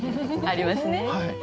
ありますね。